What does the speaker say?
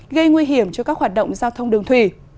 gây nguy hiểm cho các hoạt động giao thông đường thủy